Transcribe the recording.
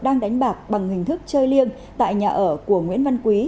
đang đánh bạc bằng hình thức chơi liêng tại nhà ở của nguyễn văn quý